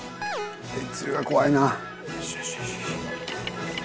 天つゆが怖いな。